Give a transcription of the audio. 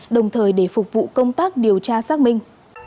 đồng thời để phục vụ công tác điều tra xác minh